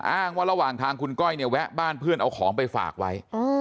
อ้างว่าระหว่างทางคุณก้อยเนี่ยแวะบ้านเพื่อนเอาของไปฝากไว้